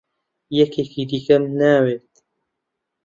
یەکێکی دیکەم ناوێت.